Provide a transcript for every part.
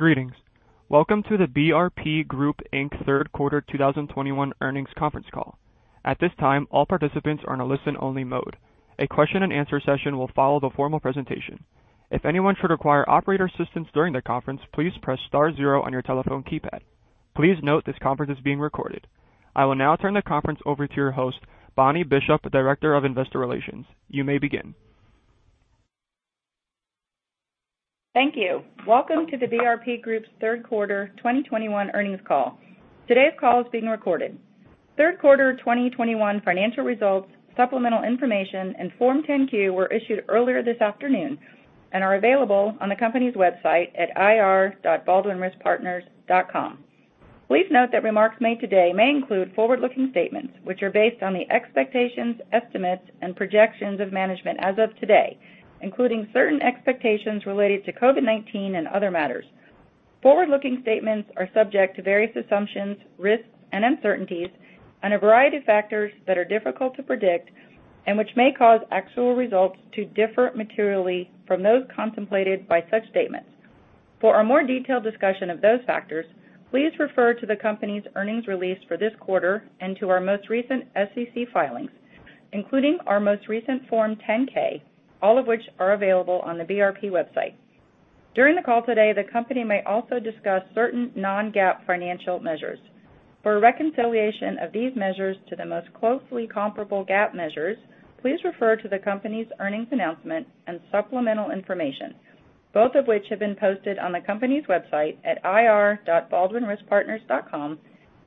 Greetings. Welcome to the BRP Group, Inc. third quarter 2021 earnings conference call. At this time, all participants are in a listen-only mode. A question and answer session will follow the formal presentation. If anyone should require operator assistance during the conference, please press star zero on your telephone keypad. Please note this conference is being recorded. I will now turn the conference over to your host, Bonnie Bishop, Director of Investor Relations. You may begin. Thank you. Welcome to the BRP group's third quarter 2021 earnings call. Today's call is being recorded. Third quarter 2021 financial results, supplemental information, and Form 10-Q were issued earlier this afternoon and are available on the company's website at ir.baldwinriskpartners.com. Please note that remarks made today may include forward-looking statements, which are based on the expectations, estimates, and projections of management as of today, including certain expectations related to COVID-19 and other matters. Forward-looking statements are subject to various assumptions, risks, and uncertainties, and a variety of factors that are difficult to predict and which may cause actual results to differ materially from those contemplated by such statements. For a more detailed discussion of those factors, please refer to the company's earnings release for this quarter and to our most recent SEC filings, including our most recent Form 10-K, all of which are available on the BRP website. During the call today, the company may also discuss certain non-GAAP financial measures. For a reconciliation of these measures to the most closely comparable GAAP measures, please refer to the company's earnings announcement and supplemental information, both of which have been posted on the company's website at ir.baldwinriskpartners.com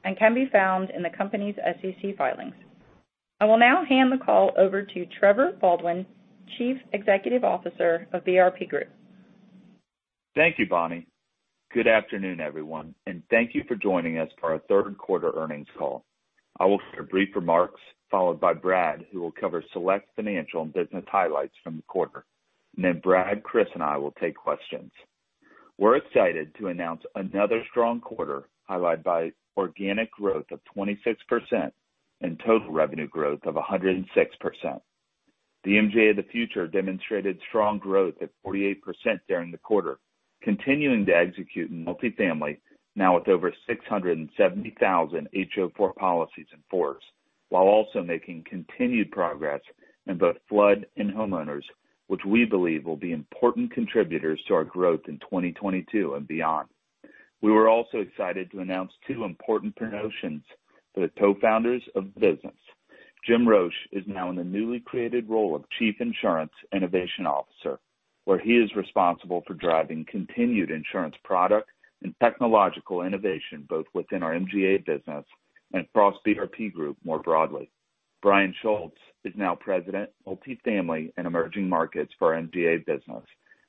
and can be found in the company's SEC filings. I will now hand the call over to Trevor Baldwin, Chief Executive Officer of BRP Group. Thank you, Bonnie. Good afternoon, everyone, and thank you for joining us for our third quarter earnings call. I will share brief remarks followed by Brad, who will cover select financial and business highlights from the quarter. Then Brad, Kris, and I will take questions. We're excited to announce another strong quarter, highlighted by organic growth of 26% and total revenue growth of 106%. The MGA of the Future demonstrated strong growth at 48% during the quarter, continuing to execute in multifamily, now with over 670,000 HO4 policies in force, while also making continued progress in both flood and homeowners, which we believe will be important contributors to our growth in 2022 and beyond. We were also excited to announce two important promotions for the co-founders of the business. Jim Roche is now in the newly created role of Chief Insurance Innovation Officer, where he is responsible for driving continued insurance product and technological innovation, both within our MGA business and across BRP Group more broadly. Brian Schultz is now President, Multifamily and Emerging Markets for our MGA business,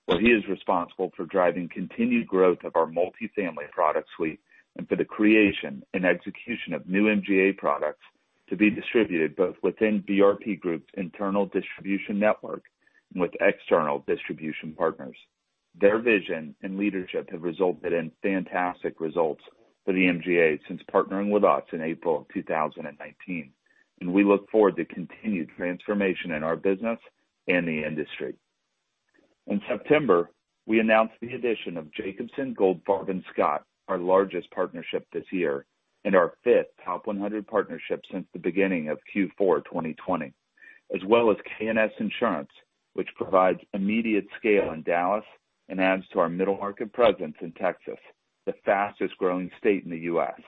where he is responsible for driving continued growth of our multifamily product suite and for the creation and execution of new MGA products to be distributed both within BRP Group's internal distribution network and with external distribution partners. Their vision and leadership have resulted in fantastic results for the MGA since partnering with us in April 2019, and we look forward to continued transformation in our business and the industry. In September, we announced the addition of Jacobson, Goldfarb & Scott, our largest partnership this year and our fifth top 100 partnership since the beginning of Q4 2020, as well as K&S Insurance, which provides immediate scale in Dallas and adds to our Middle Market presence in Texas, the fastest growing state in the U.S.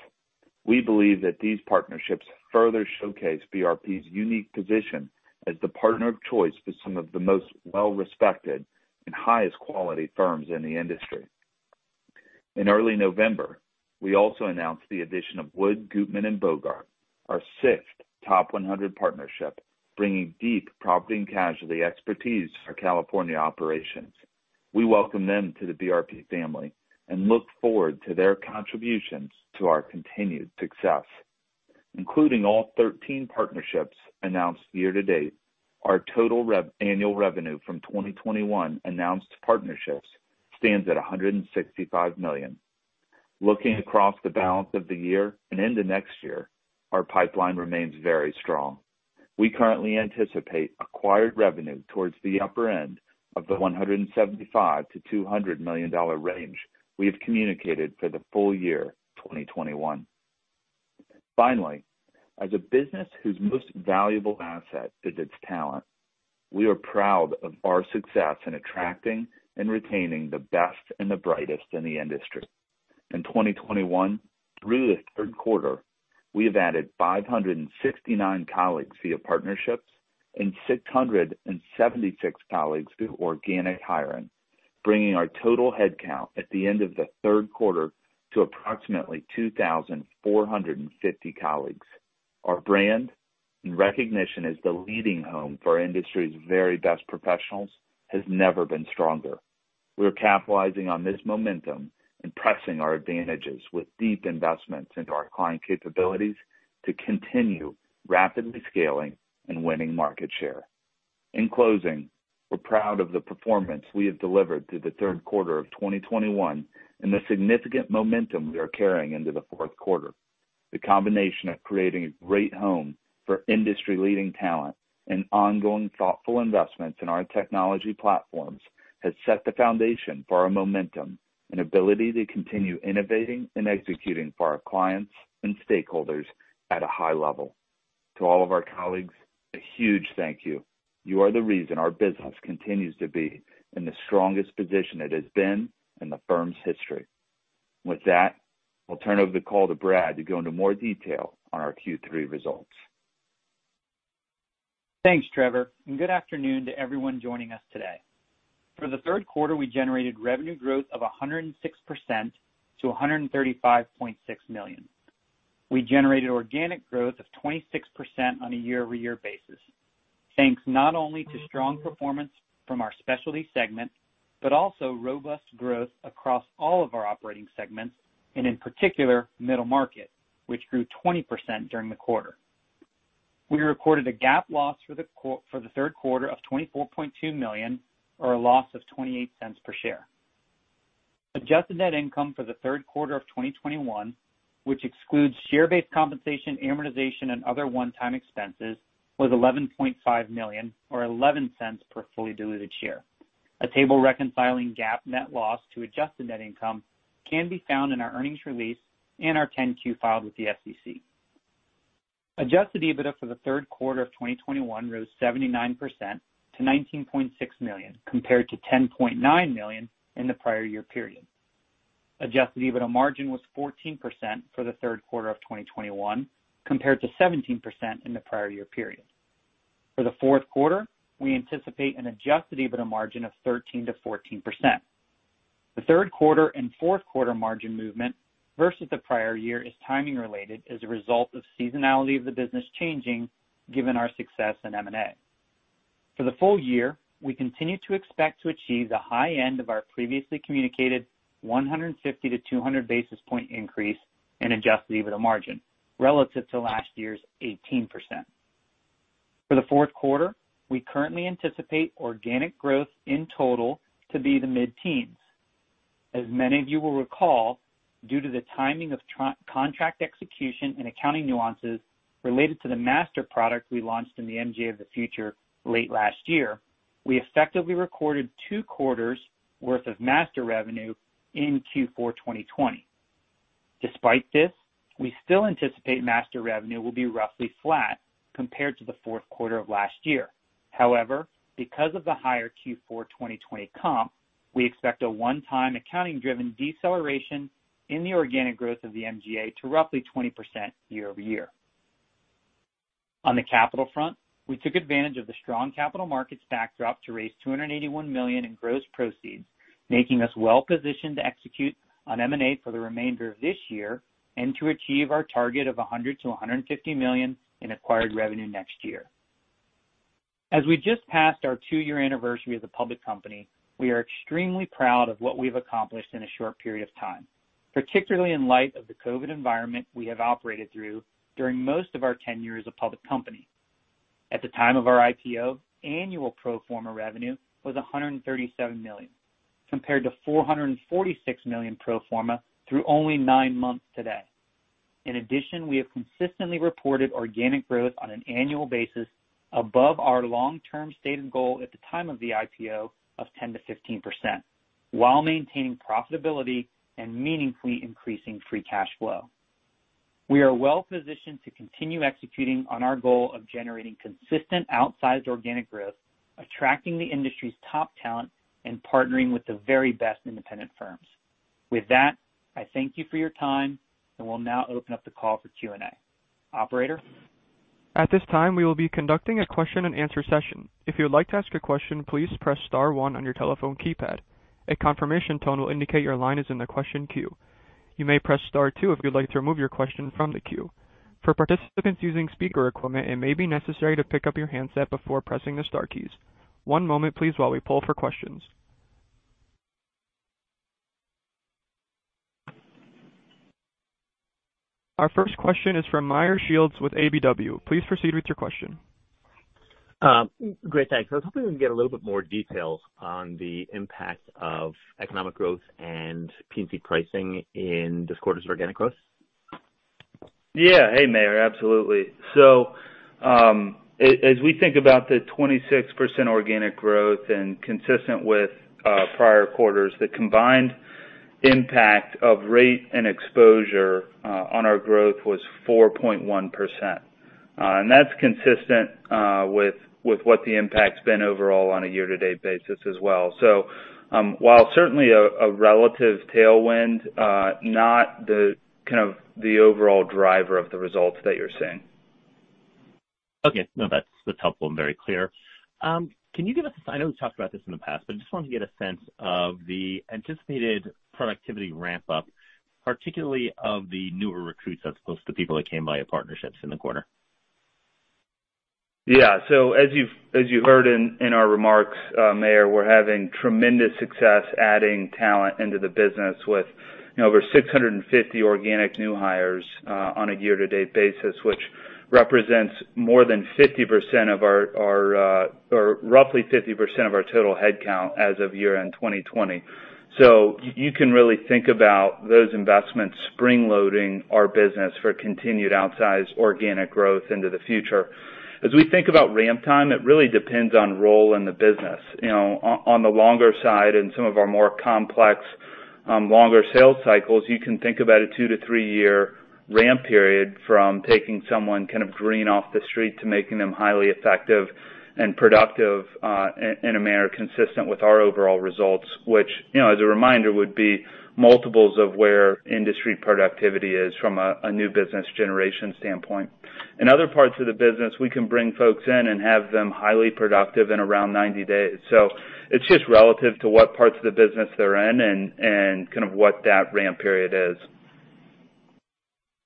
We believe that these partnerships further showcase BRP's unique position as the partner of choice for some of the most well-respected and highest quality firms in the industry. In early November, we also announced the addition of Wood, Gutmann & Bogart, our sixth top 100 partnership, bringing deep property and casualty expertise to our California operations. We welcome them to the BRP family and look forward to their contributions to our continued success. Including all 13 partnerships announced year to date, our total annual revenue from 2021 announced partnerships stands at $165 million. Looking across the balance of the year and into next year, our pipeline remains very strong. We currently anticipate acquired revenue towards the upper end of the $175 million-$200 million range we have communicated for the full year 2021. Finally, as a business whose most valuable asset is its talent, we are proud of our success in attracting and retaining the best and the brightest in the industry. In 2021, through the third quarter, we have added 569 colleagues via partnerships and 676 colleagues through organic hiring, bringing our total headcount at the end of the third quarter to approximately 2,450 colleagues. Our brand and recognition as the leading home for our industry's very best professionals has never been stronger. We're capitalizing on this momentum and pressing our advantages with deep investments into our client capabilities to continue rapidly scaling and winning market share. In closing, we're proud of the performance we have delivered through the third quarter of 2021 and the significant momentum we are carrying into the fourth quarter. The combination of creating a great home for industry-leading talent and ongoing thoughtful investments in our technology platforms has set the foundation for our momentum and ability to continue innovating and executing for our clients and stakeholders at a high level. To all of our colleagues, a huge thank you. You are the reason our business continues to be in the strongest position it has been in the firm's history. With that, I'll turn over the call to Brad to go into more detail on our Q3 results. Thanks, Trevor, and good afternoon to everyone joining us today. For the third quarter, we generated revenue growth of 106% to $135.6 million. We generated organic growth of 26% on a year-over-year basis, thanks not only to strong performance from our Specialty segment, but also robust growth across all of our operating segments, and in particular, Middle Market, which grew 20% during the quarter. We recorded a GAAP loss for the third quarter of $24.2 million, or a loss of $0.28 per share. Adjusted net income for the third quarter of 2021, which excludes share-based compensation, amortization, and other one-time expenses, was $11.5 million or $0.11 per fully diluted share. A table reconciling GAAP net loss to adjusted net income can be found in our earnings release and our Form 10-Q filed with the SEC. Adjusted EBITDA for the third quarter of 2021 rose 79% to $19.6 million, compared to $10.9 million in the prior year period. Adjusted EBITDA margin was 14% for the third quarter of 2021, compared to 17% in the prior year period. For the fourth quarter, we anticipate an adjusted EBITDA margin of 13%-14%. The third quarter and fourth quarter margin movement versus the prior year is timing related as a result of seasonality of the business changing, given our success in M&A. For the full year, we continue to expect to achieve the high end of our previously communicated 150-200 basis point increase in adjusted EBITDA margin, relative to last year's 18%. For the fourth quarter, we currently anticipate organic growth in total to be the mid-teens. As many of you will recall, due to the timing of contract execution and accounting nuances related to the master product we launched in the MGA of the Future late last year, we effectively recorded two quarters worth of master revenue in Q4 2020. Despite this, we still anticipate master revenue will be roughly flat compared to the fourth quarter of last year. However, because of the higher Q4 2020 comp, we expect a one-time accounting driven deceleration in the organic growth of the MGA to roughly 20% year-over-year. On the capital front, we took advantage of the strong capital markets backdrop to raise $281 million in gross proceeds, making us well positioned to execute on M&A for the remainder of this year, and to achieve our target of $100 million-$150 million in acquired revenue next year. As we just passed our two-year anniversary as a public company, we are extremely proud of what we've accomplished in a short period of time, particularly in light of the COVID environment we have operated through during most of our tenure as a public company. At the time of our IPO, annual pro forma revenue was $137 million, compared to $446 million pro forma through only nine months today. In addition, we have consistently reported organic growth on an annual basis above our long-term stated goal at the time of the IPO of 10%-15%, while maintaining profitability and meaningfully increasing free cash flow. We are well positioned to continue executing on our goal of generating consistent outsized organic growth, attracting the industry's top talent, and partnering with the very best independent firms. With that, I thank you for your time, and we'll now open up the call for Q&A. Operator? At this time, we will be conducting a question and answer session. If you would like to ask a question, please press star one on your telephone keypad. A confirmation tone will indicate your line is in the question queue. You may press star two if you'd like to remove your question from the queue. For participants using speaker equipment, it may be necessary to pick up your handset before pressing the star keys. One moment, please, while we poll for questions. Our first question is from Meyer Shields with KBW. Please proceed with your question. Great, thanks. I was hoping we can get a little bit more details on the impact of economic growth and P&C pricing in this quarter's organic growth. Yeah. Hey, Meyer, absolutely. As we think about the 26% organic growth and consistent with prior quarters, the combined impact of rate and exposure on our growth was 4.1%. That's consistent with what the impact's been overall on a year-to-date basis as well. While certainly a relative tailwind, not the overall driver of the results that you're seeing. Okay. No, that's helpful and very clear. Can you give us, I know we've talked about this in the past, but I just wanted to get a sense of the anticipated productivity ramp-up, particularly of the newer recruits as opposed to people that came via partnerships in the quarter. Yeah. As you've heard in our remarks, Meyer, we're having tremendous success adding talent into the business with over 650 organic new hires on a year-to-date basis, which represents more than 50% or roughly 50% of our total headcount as of year-end 2020. You can really think about those investments spring-loading our business for continued outsized organic growth into the future. As we think about ramp time, it really depends on role in the business. On the longer side, in some of our more complex longer sales cycles, you can think about a two to three-year ramp period from taking someone kind of green off the street to making them highly effective and productive in a manner consistent with our overall results, which as a reminder, would be multiples of where industry productivity is from a new business generation standpoint. In other parts of the business, we can bring folks in and have them highly productive in around 90 days. It's just relative to what parts of the business they're in and kind of what that ramp period is.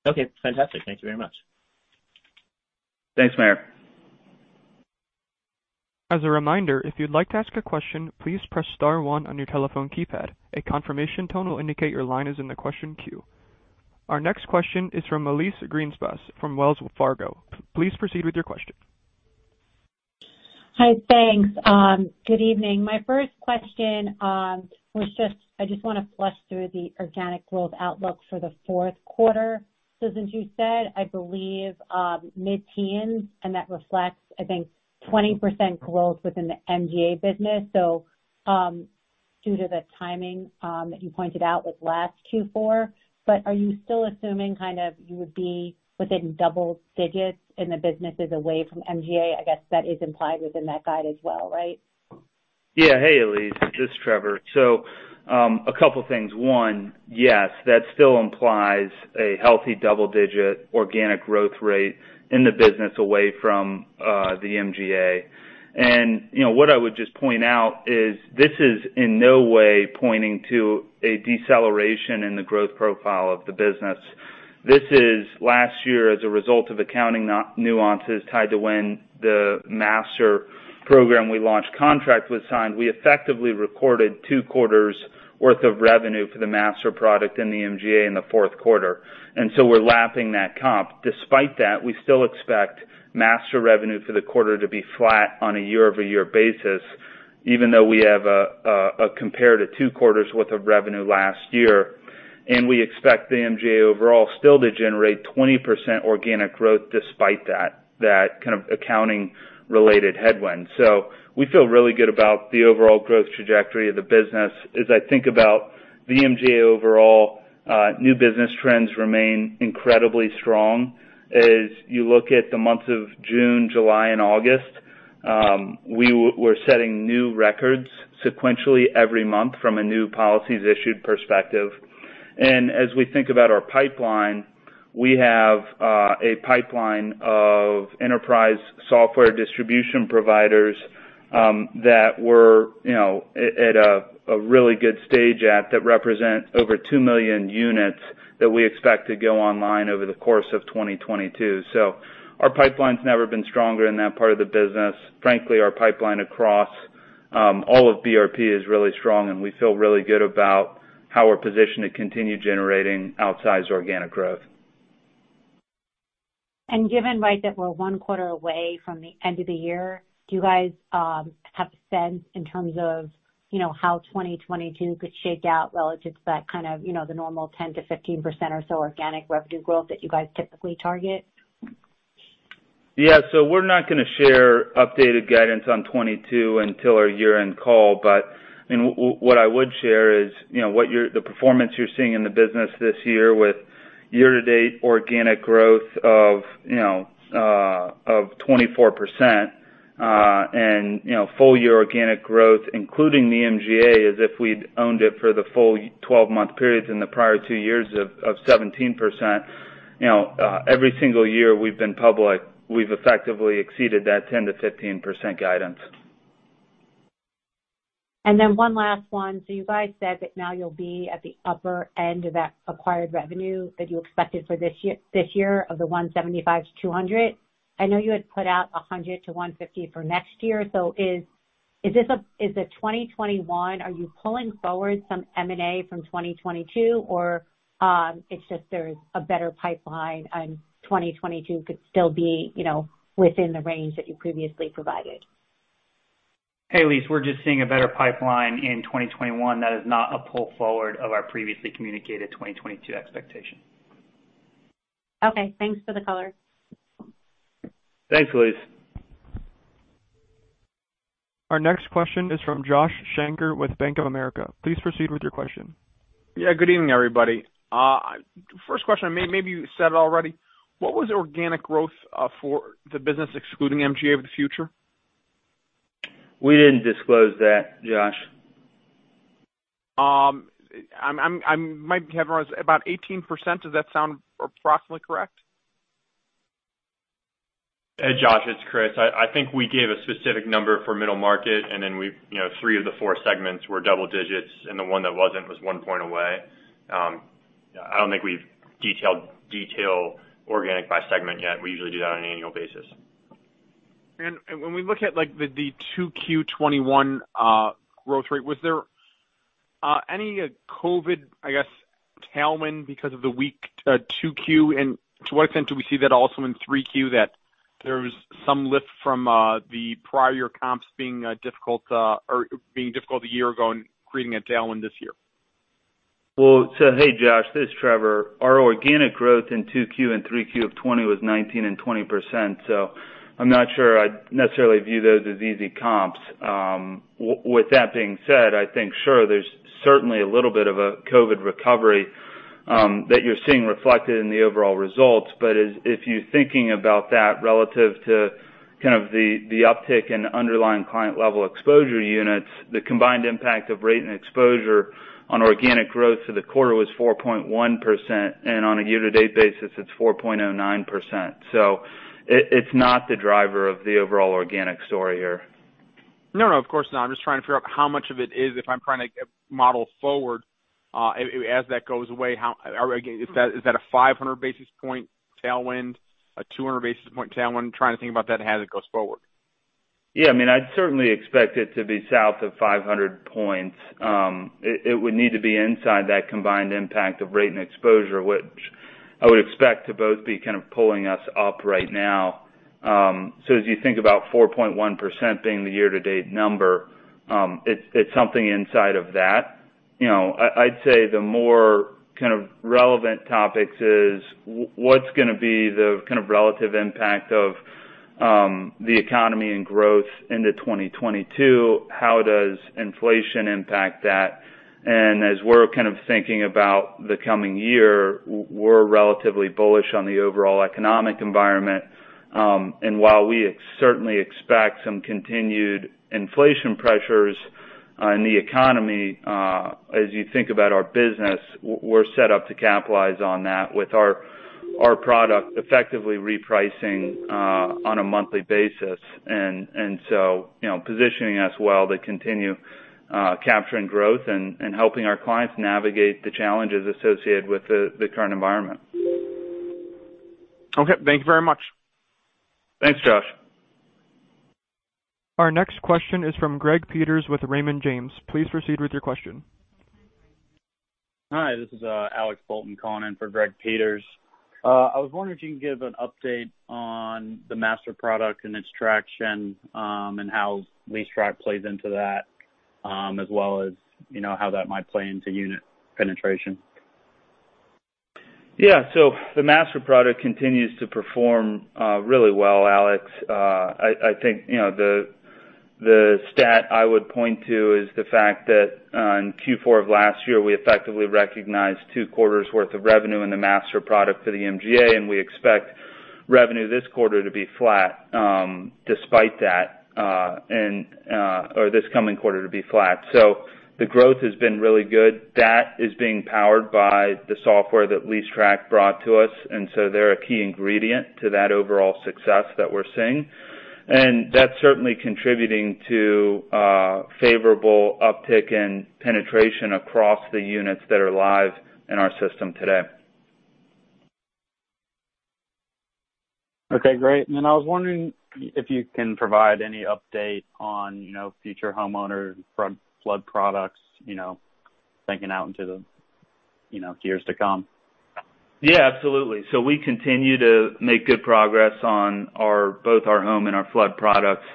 Okay, fantastic. Thank you very much. Thanks, Meyer. As a reminder, if you'd like to ask a question, please press * one on your telephone keypad. A confirmation tone will indicate your line is in the question queue. Our next question is from Elyse Greenspan from Wells Fargo. Please proceed with your question. Hi, thanks. Good evening. My first question, I just want to flush through the organic growth outlook for the fourth quarter. Susan, you said, I believe, mid-teens, and that reflects, I think, 20% growth within the MGA business. Due to the timing that you pointed out with last Q4, but are you still assuming kind of you would be within double digits in the businesses away from MGA? I guess that is implied within that guide as well, right? Yeah. Hey, Elyse, this is Trevor. A couple things. One, yes, that still implies a healthy double-digit organic growth rate in the business away from the MGA. What I would just point out is this is in no way pointing to a deceleration in the growth profile of the business. This is last year as a result of accounting nuances tied to when the Master program we launched contract was signed. We effectively recorded two quarters worth of revenue for the master product in the MGA in the fourth quarter, so we're lapping that comp. Despite that, we still expect Master revenue for the quarter to be flat on a year-over-year basis, even though we have a compare to two quarters worth of revenue last year. We expect the MGA overall still to generate 20% organic growth despite that kind of accounting related headwind. We feel really good about the overall growth trajectory of the business. As I think about the MGA overall, new business trends remain incredibly strong. As you look at the months of June, July, and August, we're setting new records sequentially every month from a new policies issued perspective. As we think about our pipeline, we have a pipeline of enterprise software distribution providers that we're at a really good stage at that represent over 2 million units that we expect to go online over the course of 2022. Our pipeline's never been stronger in that part of the business. Frankly, our pipeline across all of BRP is really strong, and we feel really good about how we're positioned to continue generating outsized organic growth. Given that we're one quarter away from the end of the year, do you guys have a sense in terms of how 2022 could shake out relative to that kind of the normal 10%-15% or so organic revenue growth that you guys typically target? We're not going to share updated guidance on 2022 until our year-end call. What I would share is the performance you're seeing in the business this year with year-to-date organic growth of 24% and full year organic growth, including the MGA as if we'd owned it for the full 12-month periods in the prior two years of 17%. Every single year we've been public, we've effectively exceeded that 10%-15% guidance. One last one. You guys said that now you'll be at the upper end of that acquired revenue that you expected for this year of the $175-$200. I know you had put out $100-$150 for next year. Is the 2021, are you pulling forward some M&A from 2022? It's just there's a better pipeline, and 2022 could still be within the range that you previously provided? Hey, Elyse, we're just seeing a better pipeline in 2021. That is not a pull forward of our previously communicated 2022 expectation. Okay, thanks for the color. Thanks, Elyse. Our next question is from Joshua Shanker with Bank of America. Please proceed with your question. Yeah, good evening, everybody. First question, maybe you said it already. What was the organic growth for the business excluding MGA of the Future? We didn't disclose that, Josh. My head was about 18%. Does that sound approximately correct? Hey, Josh, it's Kris. I think we gave a specific number for Middle Market, and then three of the four segments were double digits, and the one that wasn't was one point away. I don't think we've detailed organic by segment yet. We usually do that on an annual basis. When we look at the 2Q 2021 growth rate, was there any COVID, I guess, tailwind because of the weak 2Q? To what extent do we see that also in 3Q that there's some lift from the prior year comps being difficult a year ago and creating a tailwind this year? Hey, Josh, this is Trevor. Our organic growth in 2Q and 3Q of 2020 was 19% and 20%, I'm not sure I'd necessarily view those as easy comps. With that being said, I think sure, there's certainly a little bit of a COVID recovery that you're seeing reflected in the overall results. If you're thinking about that relative to kind of the uptick in underlying client-level exposure units, the combined impact of rate and exposure on organic growth for the quarter was 4.1%, and on a year-to-date basis, it's 4.09%. It's not the driver of the overall organic story here. No, of course not. I'm just trying to figure out how much of it is if I'm trying to model forward, as that goes away, is that a 500 basis point tailwind, a 200 basis point tailwind? Trying to think about that as it goes forward. I'd certainly expect it to be south of 500 points. It would need to be inside that combined impact of rate and exposure, which I would expect to both be kind of pulling us up right now. As you think about 4.1% being the year-to-date number, it's something inside of that. I'd say the more kind of relevant topics is what's going to be the kind of relative impact of the economy and growth into 2022? How does inflation impact that? As we're kind of thinking about the coming year, we're relatively bullish on the overall economic environment. While we certainly expect some continued inflation pressures in the economy, as you think about our business, we're set up to capitalize on that with our product effectively repricing on a monthly basis. positioning us well to continue capturing growth and helping our clients navigate the challenges associated with the current environment. Okay. Thank you very much. Thanks, Josh. Our next question is from Greg Peters with Raymond James. Please proceed with your question. Hi, this is Alex Bolton calling in for Greg Peters. I was wondering if you can give an update on the master product and its traction, and how LeaseTrack plays into that, as well as how that might play into unit penetration. Yeah. The master product continues to perform really well, Alex. I think the stat I would point to is the fact that in Q4 of last year, we effectively recognized two quarters' worth of revenue in the master product for the MGA, and we expect revenue this quarter to be flat, despite that. Or this coming quarter to be flat. The growth has been really good. That is being powered by the software that LeaseTrack brought to us, and so they're a key ingredient to that overall success that we're seeing. That's certainly contributing to a favorable uptick in penetration across the units that are live in our system today. Okay, great. I was wondering if you can provide any update on future homeowners flood products, thinking out into the years to come. Yeah, absolutely. We continue to make good progress on both our home and our flood products.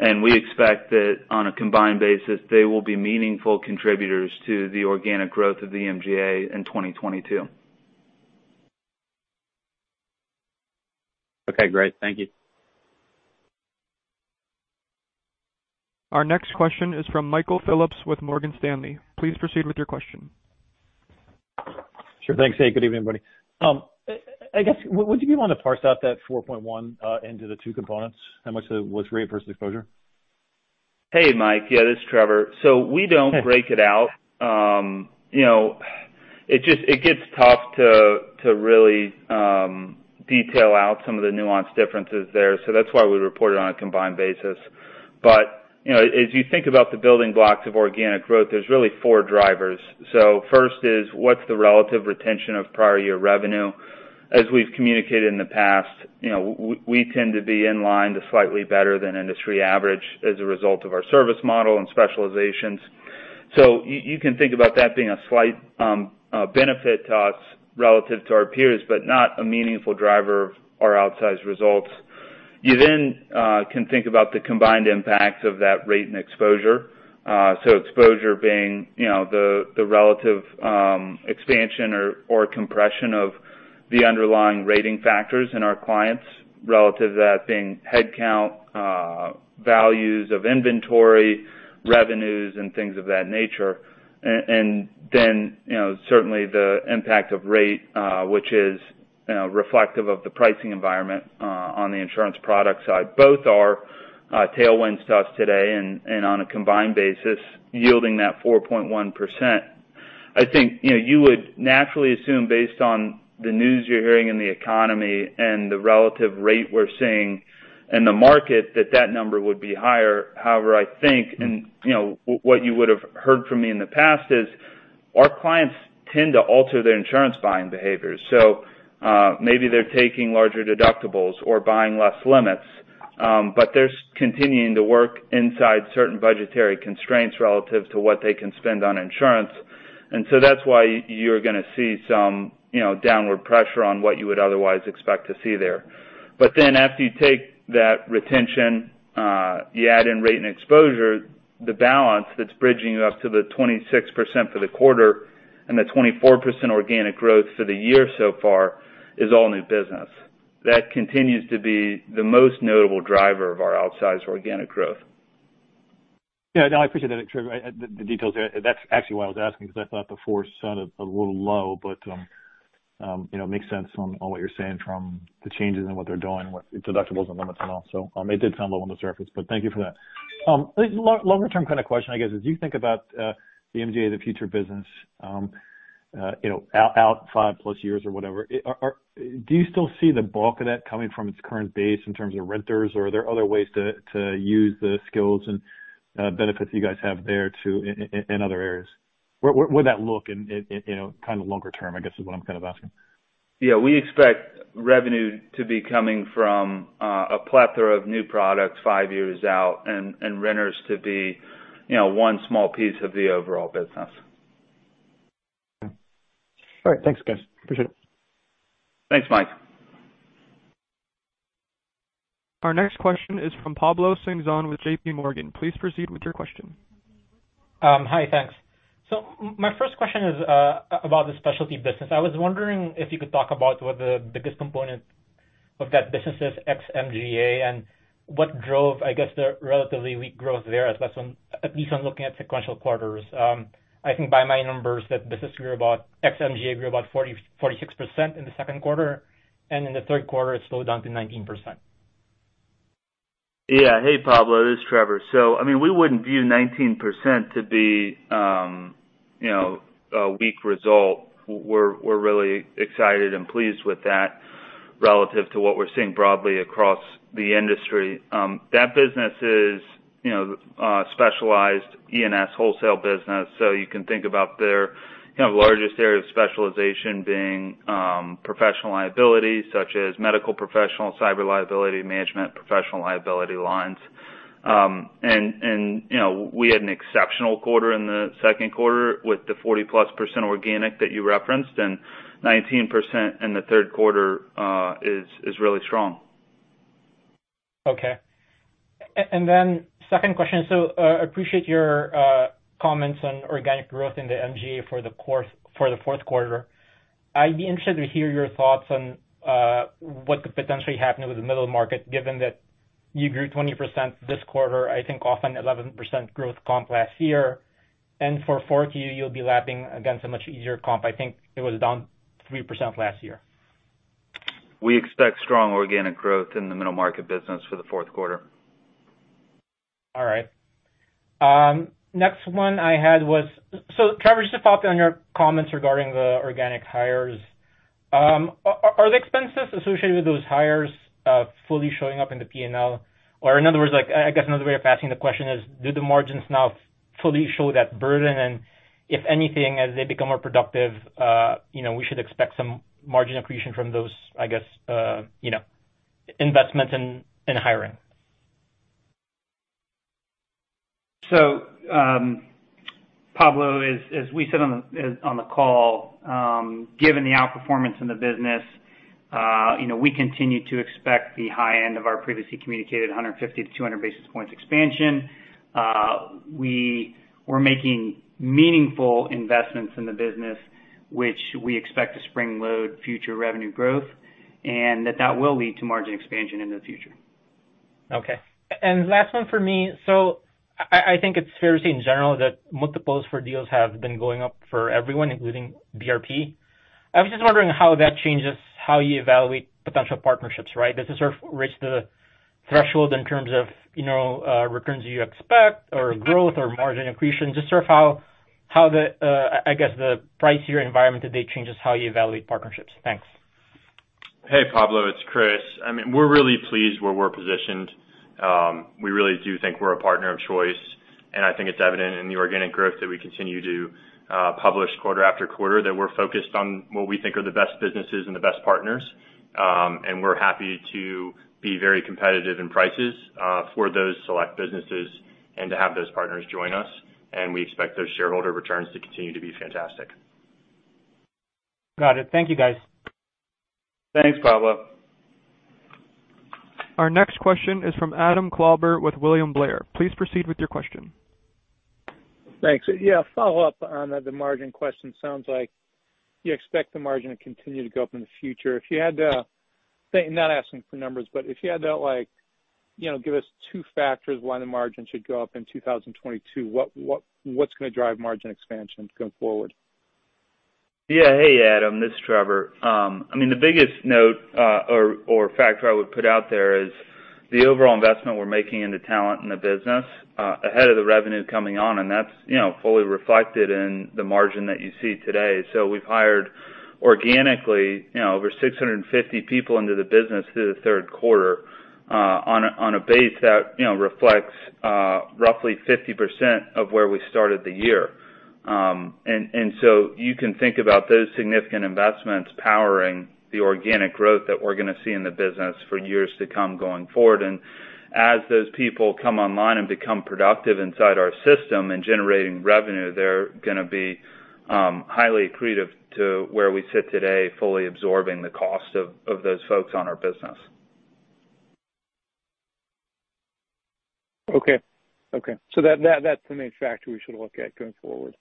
We expect that on a combined basis, they will be meaningful contributors to the organic growth of the MGA in 2022. Okay, great. Thank you. Our next question is from Michael Phillips with Morgan Stanley. Please proceed with your question. Sure thing. Good evening, everybody. I guess, would you be able to parse out that 4.1% into the two components? How much of it was rate versus exposure? Hey, Mike. Yeah, this is Trevor. We don't break it out. It gets tough to really detail out some of the nuance differences there. That's why we report it on a combined basis. As you think about the building blocks of organic growth, there's really four drivers. First is, what's the relative retention of prior year revenue? As we've communicated in the past, we tend to be in line to slightly better than industry average as a result of our service model and specializations. You can think about that being a slight benefit to us relative to our peers, but not a meaningful driver of our outsized results. You then can think about the combined impact of that rate and exposure. Exposure being the relative expansion or compression of the underlying rating factors in our clients relative to that being headcount, values of inventory, revenues, and things of that nature. Certainly the impact of rate, which is reflective of the pricing environment on the insurance product side, both are tailwinds to us today, and on a combined basis, yielding that 4.1%. I think you would naturally assume, based on the news you're hearing in the economy and the relative rate we're seeing in the market, that that number would be higher. However, I think, and what you would've heard from me in the past is our clients tend to alter their insurance buying behaviors. Maybe they're taking larger deductibles or buying less limits. They're continuing to work inside certain budgetary constraints relative to what they can spend on insurance. That's why you're going to see some downward pressure on what you would otherwise expect to see there. After you take that retention, you add in rate and exposure, the balance that's bridging you up to the 26% for the quarter and the 24% organic growth for the year so far is all new business. That continues to be the most notable driver of our outsized organic growth. No, I appreciate that, Trevor, the details there. That's actually why I was asking, because I thought the 4 sound a little low, but it makes sense on what you're saying from the changes in what they're doing with deductibles and limits and all. It did sound low on the surface, but thank you for that. Longer term kind of question, I guess. As you think about the MGA of the Future business out 5+ years or whatever, do you still see the bulk of that coming from its current base in terms of renters or are there other ways to use the skills and benefits you guys have there, too, in other areas? Where would that look in longer term, I guess, is what I'm kind of asking. We expect revenue to be coming from a plethora of new products five years out and renters to be one small piece of the overall business. All right. Thanks, guys. Appreciate it. Thanks, Mike. Our next question is from Pablo Singzon with J.P. Morgan. Please proceed with your question. Hi. Thanks. My first question is about the Specialty business. I was wondering if you could talk about what the biggest component of that business is ex MGA, and what drove, I guess, the relatively weak growth there, at least on looking at sequential quarters. I think by my numbers, that business grew about, ex MGA grew about 46% in the second quarter, and in the third quarter it slowed down to 19%. Yeah. Hey, Pablo. It is Trevor. We wouldn't view 19% to be a weak result. We're really excited and pleased with that relative to what we're seeing broadly across the industry. That business is a specialized E&S wholesale business, you can think about their largest area of specialization being professional liability, such as medical professional, cyber liability management, professional liability lines. We had an exceptional quarter in the second quarter with the 40+% organic that you referenced, 19% in the third quarter is really strong. Okay. Second question. Appreciate your comments on organic growth in the MGA for the fourth quarter. I'd be interested to hear your thoughts on what could potentially happen with the Middle Market, given that you grew 20% this quarter, I think off an 11% growth comp last year. For 4Q, you'll be lapping against a much easier comp. I think it was down 3% last year. We expect strong organic growth in the Middle Market business for the fourth quarter. All right. Next one I had was, Trevor, just to follow up on your comments regarding the organic hires. Are the expenses associated with those hires fully showing up in the P&L? In other words, I guess another way of asking the question is, do the margins now fully show that burden? If anything, as they become more productive, we should expect some margin accretion from those, I guess, investments in hiring. Pablo, as we said on the call, given the outperformance in the business, we continue to expect the high end of our previously communicated 150 to 200 basis points expansion. We're making meaningful investments in the business, which we expect to spring-load future revenue growth, and that will lead to margin expansion in the future. Okay. Last one for me. I think it's fair to say in general that multiples for deals have been going up for everyone, including BRP. I was just wondering how that changes how you evaluate potential partnerships, right? Does it sort of reach the threshold in terms of returns you expect or growth or margin accretion? Just sort of how the pricier environment today changes how you evaluate partnerships. Thanks. Hey, Pablo, it's Kris. We're really pleased where we're positioned. We really do think we're a partner of choice, and I think it's evident in the organic growth that we continue to publish quarter after quarter, that we're focused on what we think are the best businesses and the best partners. We're happy to be very competitive in prices for those select businesses and to have those partners join us. We expect those shareholder returns to continue to be fantastic. Got it. Thank you, guys. Thanks, Pablo. Our next question is from Adam Klauber with William Blair. Please proceed with your question. Thanks. Yeah, a follow-up on the margin question. Sounds like you expect the margin to continue to go up in the future. I'm not asking for numbers, but if you had to give us two factors why the margin should go up in 2022, what's going to drive margin expansion going forward? Yeah. Hey, Adam, this is Trevor. The biggest note or factor I would put out there is the overall investment we're making into talent in the business, ahead of the revenue coming on, and that's fully reflected in the margin that you see today. We've hired organically over 650 people into the business through the third quarter on a base that reflects roughly 50% of where we started the year. You can think about those significant investments powering the organic growth that we're going to see in the business for years to come going forward. As those people come online and become productive inside our system and generating revenue, they're going to be highly accretive to where we sit today, fully absorbing the cost of those folks on our business. Okay. That's the main factor we should look at going forward?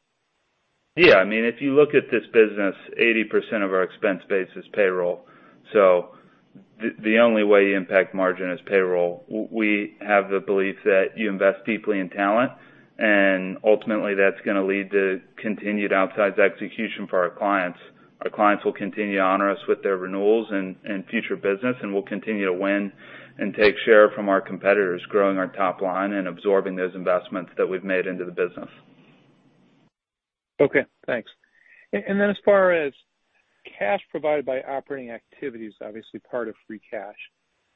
Yeah. If you look at this business, 80% of our expense base is payroll. The only way you impact margin is payroll. We have the belief that you invest deeply in talent, and ultimately that's going to lead to continued outsized execution for our clients. Our clients will continue to honor us with their renewals and future business, and we'll continue to win and take share from our competitors, growing our top line and absorbing those investments that we've made into the business. Okay, thanks. Then as far as cash provided by operating activities, obviously part of free cash.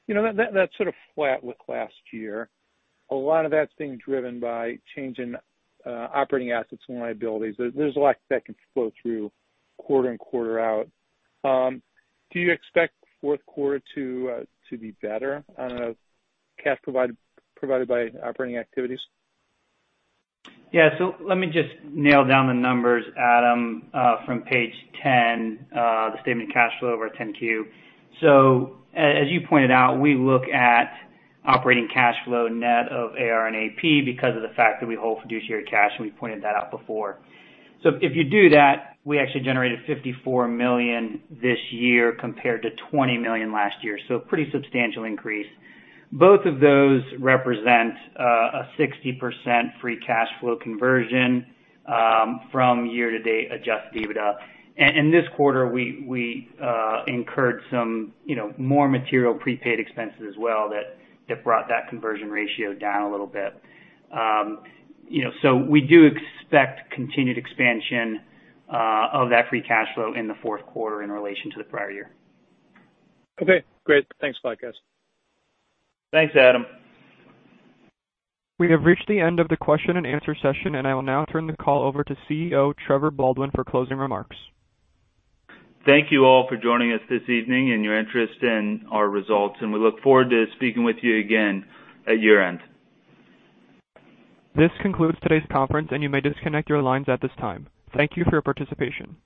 That's sort of flat with last year. A lot of that's being driven by change in operating assets and liabilities. There's a lot that can flow through quarter and quarter out. Do you expect fourth quarter to be better on a cash provided by operating activities? Yeah. Let me just nail down the numbers, Adam, from page 10, the statement of cash flow of our 10-Q. As you pointed out, we look at operating cash flow net of AR and AP because of the fact that we hold fiduciary cash, and we pointed that out before. If you do that, we actually generated $54 million this year compared to $20 million last year. Pretty substantial increase. Both of those represent a 60% free cash flow conversion from year to date adjusted EBITDA. In this quarter, we incurred some more material prepaid expenses as well that brought that conversion ratio down a little bit. We do expect continued expansion of that free cash flow in the fourth quarter in relation to the prior year. Okay, great. Thanks a lot, guys. Thanks, Adam. We have reached the end of the question and answer session, and I will now turn the call over to CEO Trevor Baldwin for closing remarks. Thank you all for joining us this evening and your interest in our results, and we look forward to speaking with you again at year-end. This concludes today's conference, and you may disconnect your lines at this time. Thank you for your participation.